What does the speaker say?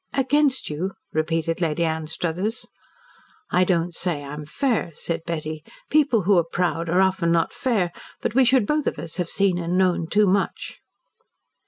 "Against you?" repeated Lady Anstruthers. "I don't say I am fair," said Betty. "People who are proud are often not fair. But we should both of us have seen and known too much."